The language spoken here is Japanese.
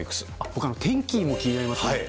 僕は天気も気になりますね。